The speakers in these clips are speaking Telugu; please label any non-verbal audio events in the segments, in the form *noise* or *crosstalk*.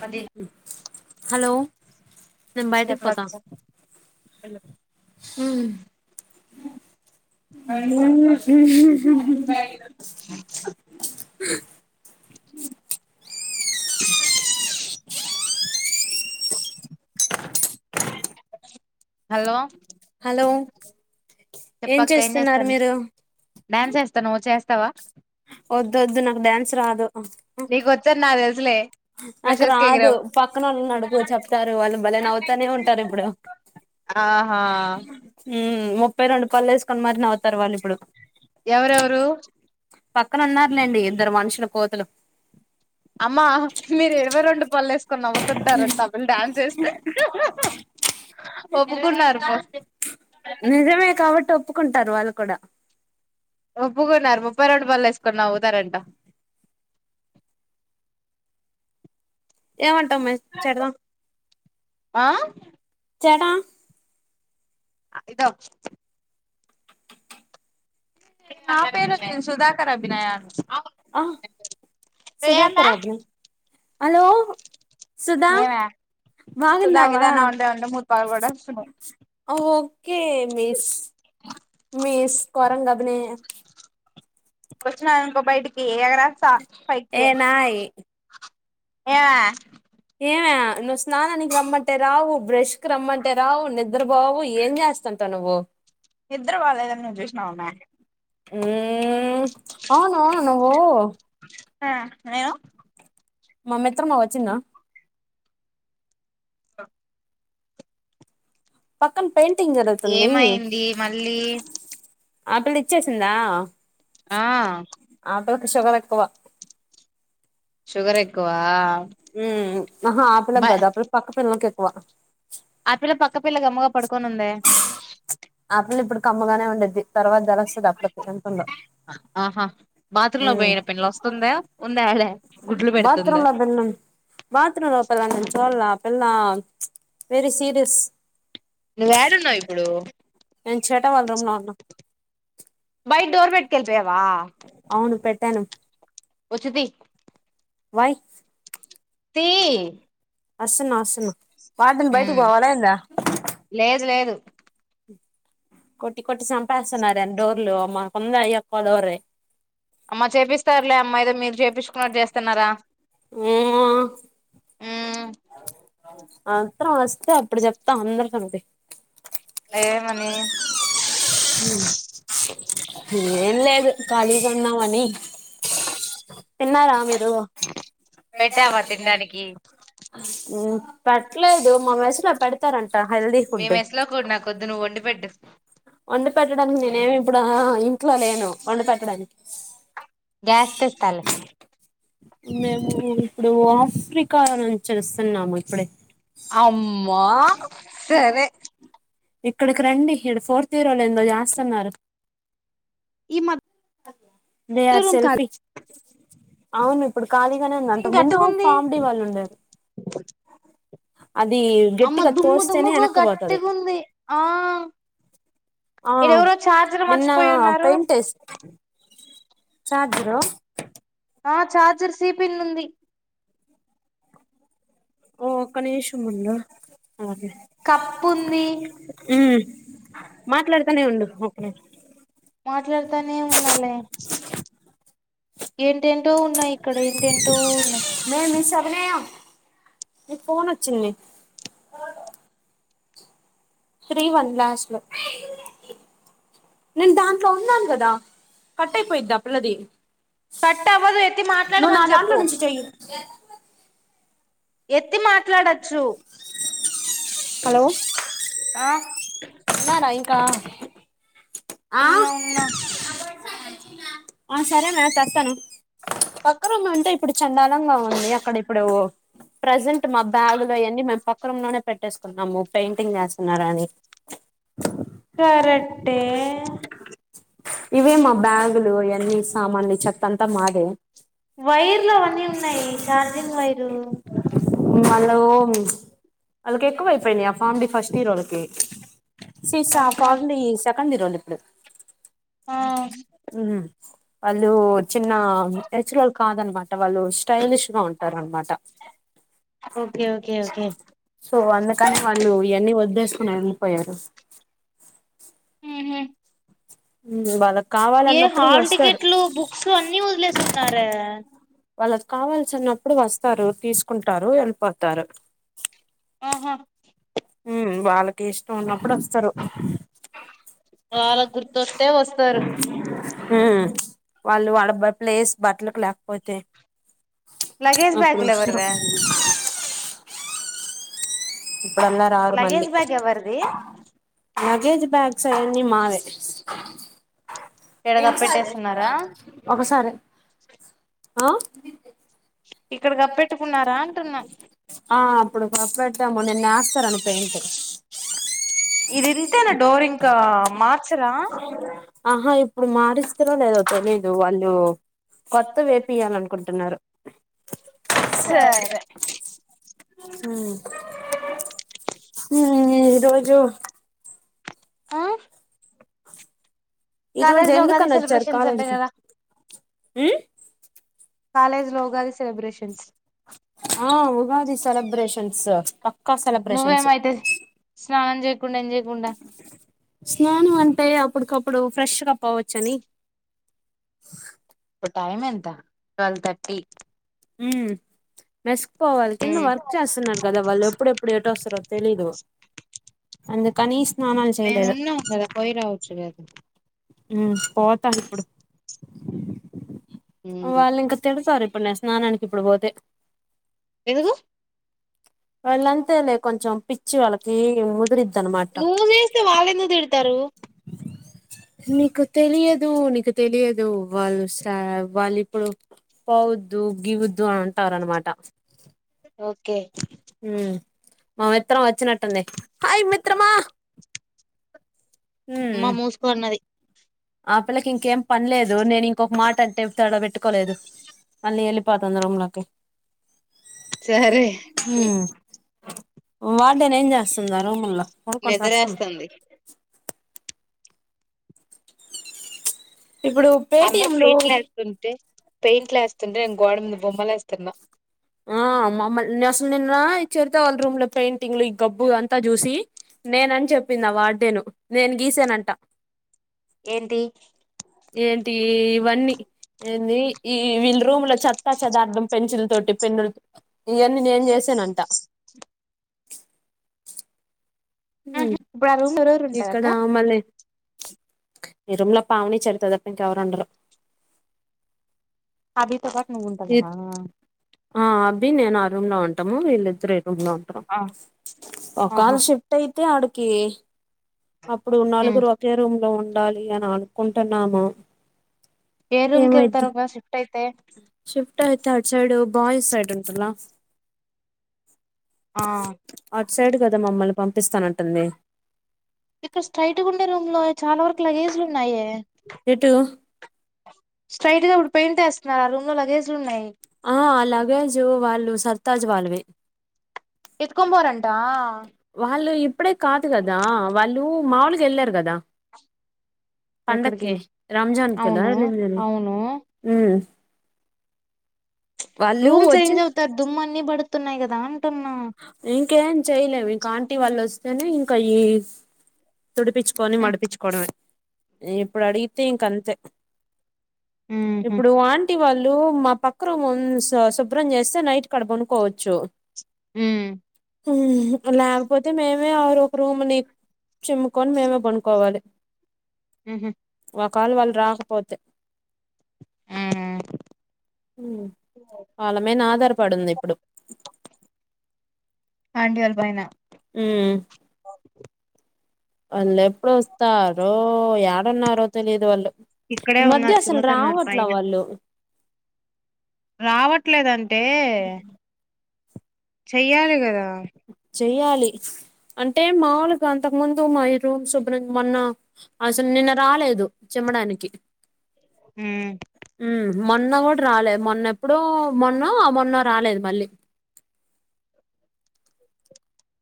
పది హలో నేను బయటకి పోతా హలో *unintelligible* ఉం ఇ హలో హలో ఏం చెప్పక్క చేస్తున్నారు చేస్తాను మీరు డ్యాన్స్ చేస్తా నువ్వు వచ్ఛచేస్తావా వద్దు వద్దు నాకు డ్యాన్స్ రాదు నీకు వచ్చా అని నా తెలుసులే నాకు ఫ్రెషర్స్ కి రాదు ఎగిరావ్ పక్కన వాళ్ళు నడుపు చెప్తారు వాళ్ళు భలేన అవుతానే ఉంటారు ఇప్పుడు ఆహా ముప్పై రెండు పళ్లు వేసుకొని మరి నవవుతారు వాళ్ళు ఇప్పుడు ఎవరెవరు పక్కనన్నారులేండి ఇద్దరు మనుషుల కోతలు అమ్మా మీరు ఎవ రెండు పళ్ళ వేసుకొని నవ్వుతుంటారు బులు డడాన్స్ వేస్తే ఒకు నరమ నిజమే కాబట్టి ఒప్పుకుంటారు వాళ్ళు కూడా ఒప్పుకున్నారు ముప్పై రెండు బళ్ళు వేసుకున్నా తారంట ఏమంటాం మ చెడదాం ఆ చడా ఇదో నా పేను నేను సుధాకర్ అభినయను ఆ ఏమే సుధాకరాబ్ హలో సుధా ఏమే సుధా గిధా వాగున్నావా అన్నా ఉంటే ఉంటే మూతి పగలగొట్టేస్తున్న ఓకే మస్ మీస్ కోరంగభనే వచ్చిన ఇంకో బయటికి ఏ ఎగ రాసా ఏనాయి ఏయావ ఏమే నువ్వు స్నానానికి రమ్మంటే రావు బ్రష్ కి రమ్మంటే రావు నిద్ర పోావు ఏం చేస్త స్త అంత నువ్వు ఇద్దర వాాలే త నుంచిష్నా మ ఉ అవును నువ్వు ఆ ఏను మామ్మి ఎత్ర మా వచ్చిన్న స పక్కన పెయింటింగ్ జరుగుతుంది ఏమైంది మళ్ళీ ఆటలి ఇచ్చేసిందా ఆ అద షుగర్ ఎక్కవ షుగర్ ఎక్కువ పిలా కదాప్పుడు పక్క పిల్లలు కేకువా ఆ పిల్ల పక్కపిల్ల గమ్మగా పడుకోనింది కమ్ముగానే ఉండద్ది తర్వాత జరస్తుంది ప్రతి గంటంలో ఆహా బాత్రూమ్ లో పోయిన పిల్ల వస్తుందా ఉందా ఆడే గుడ్లు పెడుతుందా బాత్రూమ్ లో పెం బాత్రూమ్ లోపలా చో లా వెర సీరియస్ నువ్వు ఏడున్నావు ఇప్పుడు ఎ చేటా వళరం నన్న బైట్ డోర్ బెట్కెల్పి అవా తనం వచ్చిది వయ్ తీ అసను అసను వాని బయటికి ఉమ్ పోవ అలా ఎందా లేదు లేదు కొట్టి కొట్టి సంపాస్తున్నారుారేని డోర్లు మాకుంద అ ఎక్కువ ోరే అమ్మ చేపిస్తారులే అమ్మా ఏదో మీరు చేయిించుకున్నట్టు చేస్తున్నారా ఊ.. మ్మో ఊ అం త్ర వస్తే అప్పుడు చెప్తా అందరి సంగతి ఏ మనీ ఏం లేదు ఖాళీగా ఉన్నామని తిన్నారా మీరు పెట్టావా తినడానికి పట్టలేదు మా మెస్ లో పెడతారంట హెల్ది మీ ఫుడ్ మెస్ లో కూడా నాకొద్దు నువ్వు వండి పెట్టు వండీ పెట్టడానికి నేనేమి ఇప్పుడు ఇంట్లో లేను వండు పెట్టడానికి గ్యాస్లిస్తార్లు మేము ఇప్పుడు ఆఫ్రికా నుంచిస్తున్నాము ఇప్పుడే ఆమ్మో సరే ఇక్కడికి రండి ఇక్క ఫోర్త్ ఇయరోలో ఎందో చేస్తున్నారు ఈ ద మధ్య ఆర్ రూమ్ సెల్ఫ అవును ఇప్పుడు ఖాళీగానే ఉంది అంతకు ముందు ఓ గట్టిగుంది ఫామ్ డీ వాళ్ళు ఉండారు అది అమ్మ గట్టిగా దుమ్ము తోస్తేనే దుమ్ముగా వెనక్కపోతది గట్టిగుంది ఆ ఆ ఈడెవరో చార్జర్ నిన్న మర్చిపోయి ఉన్నారు పైంటస్ట్ చార్జరు ఆ చార్జర్ సిపిన్ ఉంది ఓ ఒక్క నిమిషముందు కప్పు ఉంది అే మాట్లాడు ఉ ఓ కే మాట్లాడుతానే ఉన్నాలే ఏంటేంటో ఉన్నాయి ఇక్కడ ఏంటేంటో ఉన్నాయి మ మీ సప్పనియా మీ ఫోన్ వచ్చింది త్రీ వన్ లాస్ లో నేను దాంట్లో ఉన్నాను కదా కట్ అయిపోయిద్ద పిలది కరెట్ అవ్వదు ఎతి మాట్లాడమని చెప్పు నుంచి చెయ్యి ఎత్తి మాట్లాడొచ్చు ఆ న్నార ఇంకా ఆ ఉన్నా ఉన్నా ఆ సరే మే చేస్తాను పక్క్ర అంటే ఇప్పుడు చండాలంగా ఉంది అక్కడ ఇప్పుడు ప్రజెంట్ మా బ్యాగు్ లో ఇవన్నీ మేము పక్కన లోనే పెట్టేసుకున్నాము పెయింటింగ్ చేస్తున్నార అని తే కరెక్టే *unintelligible* ఇవే మా బ్యాగులువన్ని సామాన్లు చక్క తాన్త మాది వైర్లు అవన్నీ ఉన్నాయి ఛార్జింగ్ వైరు వాళ్ళు వాళ్ళకి ఎక్కువ అయిపోయినాయి ఆ ఫామ్ డి ఫస్ట్ ఇయర్ వాళ్ళకి సీస ఆహా ప్రజడ్ ఈ సెకండ్ హీరోలు ఇప్పుడు ఆ వాళ్ళు చిన్న నెచ్చర్ వాళ్ళు కాదనమాట వాళ్ళు స్టైలిష్ గా ఉంటారనమాట ఓకే ఓకే ఓకే సో అందుకని వాళ్ళు ఇవన్నీ వద్దే అ పోయారు ఉ ఊ వాళ్లకు ఏ హాల్ టికెట్లు బుక్స్లు అన్ని వదిలేస్తున్నార వాళ్ళకి కావాల్న్నప్పుడు వస్తారు తీసుకుంటారు వెళ్ళిపోతారు ఆహా ఉ వాళ్ళకి ఇష్టం ఉన్నప్పుడు వస్తారు ట వస్తరు మ్మ్ వాళ్ళు వాళ్ళ ప్లేస్ బట్టలకు లేకపోతే లగేజ్ బ్యాగులు అప్పుడుచ్చ ఎవరివే ఇప్పుడుల ఆరు మళ్ల్ి లగేజ్ బ్యాగ్ ఎవరిది లగేజ్ బ్యాగ్స్ అవన్నీ మావే ఈడ కప్పెట్టేస్తున్నారా ఒకసారి ఆ ఇక్కడ కప్పెట్టుకున్నారా అంటున్నా ఆ అప్పుడు కప్ప పెెడతాము నేను వేస్తాను పెయిట్ ఇది ఇంతేనా డోర్ ఇంకా మార్చరా ఆహా ఇ ఇప్పుడు మారిస్తారో లేదో తెలీదు వాళ్ళు కొత్త వేపియాల అనుకుంటున్నారు సరే హ ఈరోోజు ఆ ఈ కాలజ రోజు లో ఎందుకని వచ్చారు సెలిబ్రేషన్స్ అంట కాలేజీకి కద కాలేజ్ లో ఉగాది సెలబ్రేషన్స్ ఆ ఉగాది సెలబ్రేషన్స్ ప నువ్వేమైతే స్నాం చే స్నానం అంటేయి అప్పుటికప్పుడు ఇప్పుడు ఫ్రెష్గా పోవచ్చ అని టైమ్ ఎంత ట్వల్వ్ థర్టీ ఉ మెసుకుపోవాలి కింద వర్క్ చేస్తున్నారు కదా వాళ్ళు ఎప్పుడెప్పుడు తెలిదు అందు కని మేము ఉన్నాం కదా పోయి రావచ్చు కదా పోతాారు ఇప్పుడు వాళ్ళు ఇంకా తిడతారు ఇప్పు ఇప్పుడు న స్నానానికి ఇప్పుడు పోతే ఎందుకు వాళ్ళంతే లే కొంచెం పిచ్చి వాళ్ళకి ముదిరి నువ్ చేేస్తే వాళ్ళెన్నది ఇడతారు నీకు తెలియదు నీకు తెలియదు వాళ్ళు వాళ్ళ ఇప్పుడు పోౌద్దు గిగుద్దు అ అంటావ అనమాట ఓకే మా మిత్రం వచ్చినటునే హాయ్ మిత్రమా ఉమ్ అమ్మా మూసుకోన్నది ఆ పిల్లకి ఇంకేం పనిలేదు నేను ఇంకొక మాట అంటే తడా పెట్టుకోలేదు మళ్ళీ వెళి పంతొంద్రలాక సరే వాటినే ఏం చేస్తుందా రూముల్లో కొనుక్కొని చేస్తుంది నిద్రేస్తుంది ఇప్పుడు అంద పేటిఎం లో పెయింట్లు వేస్తుంటే పెయింట్లు వేస్తుంటే నేను గోడ మీద బొమ్మలు వేస్తున్నా ఆ మమ్మల్నిను అసలు నిన్న చేరితే వాళ్ళ రూమ్ లో పెయింటింగ్లు ఈ గబ్బు అంతా చూసి నేనని చెప్పిందా వాడదేను నేను గీసానంట *unintelligible* ఏంటి ఏంటి ఇవన్నీ ఏంది ఈ వీళ్ళ రూమ్ లో చెత్తా చదార్థం పెన్సిల్ తోటి పన్నుల ఇవన్నీ నేను చేసానంట హ ఇప్పుడు ఆ రూమ్ లో ఎవరెవరు ఉంటారు ఇక్కడ అక్క ఆమలే నిరుముల పావుని చరిత్రద పంక ఎవరండరు అభి త పాట్ నువుంట బ నే ఆ రూమ్ లో ఉంటాము వీళ్ళిద్దరు రూ లో ఉంటా ఆ ఒకళ ఆహా షిఫ్ట్ అయితే కి అప్పుడు నలుగురు ఒకే రూమ్ లో ఉ ఉండాలి అని అనుకుంటున్నాము ఏ రూమ్ కి వెళ్తారు ఏమైద్దో ఒకవేళ రూమ్ షిఫ్ట్ అయితే షిఫ్ట్ అయితే అడ్ సైడ్ బయ్స్ సైడ్ ఉంటల ఆ అటు సైడ్ కదా మమ్మల్ని పంపిస్తానంటుంది ఇక్కడ స్ట్రైట్గా ఉండే రూమ్ లో చాలా వరకు లగేజ్లు ఉన్నాయే ఎటు స్ట్రైట్ గా ఇప్పుడు పాయింటే ఆ రూమ్ లో లగేజ్లు ఉన్నాయి ఆ లాగేజ్ వాళ్ళు సర్తాజ్ వాళ్ళవి ఎత్తుకోం పోరంటా వాళ్ళు ఇప్పుడే కాదు కదా వాళ్ళు మాములుగా వెళ్ళారు కదా ఎక్కడికి పండక్కి రంజాన్ కి కదా అవును ఎల్లిండేది అవును ఊ రూమ్ వచ్చి చేంజ్ అవుతారు దుమ్ము అన్ని పడుతున్నాయి కదా అంటున్నా ఇంకేం చెయలేము ఇంకా ఆంటీ వాళ్ళు వస్తేనే ఇంకా ఈ తుడిపచ్చుకొని మడిపించుకోవడమే ఇప్పుడు అడిగితే ఇంక అంతే ఇప్పుడు ఆంటి వాళ్ళు డు మా పక్క రూమ్ శుభ్రం చేస్తే నైట్కి అడా పనుకోవచ్చు ఉ హు లేకపోతే మేమే ఆరు ఒక రూమ్ని చిమ్ముకొని మేమే కొనుకోవాలి ఉహు ఒక యల వాళ్ళు రాకపోతే ఉ వాళ్ళ మీద అధారి పడుంది ఇప్పుడు అంటి వాళ్ళపైన ఊ వాళ్ళు ఎప్పుడు వస్తారో ఎడ ఇక్కడే ఈ మధ్య ఉన్నారు అసలు చిమ్ముతున్నారు రావట్ల పైన వాళ్ళు రావట్లేదంటే చెయ్యాలి కదా చెయాలి అంటే మాముూలుగా అంతకు ముందు మా రూమ్ శుభ్రం మొన్న అసలు నిన్న రాలేదు అమ్మడానికి ఊ మొన్న కూడా రాలేదు మొన్న ఎప్పుడు మొన్నో మొన్న రాలేదు మళ్ళీ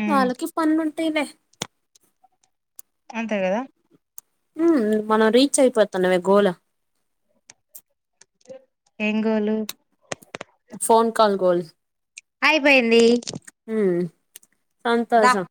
ఉమ్ వాళ్లకి పనులు ఉంటాయి లే అంతే కదా హు మనం రీచ్ అయిపోతున్నావే గోల్ ఎం గోల్ ఫోన్ కాల్ గోల్ అయిపోయింది ఉ సంతోషం